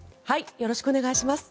よろしくお願いします。